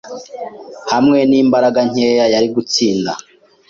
Hamwe nimbaraga nkeya, yari gutsinda.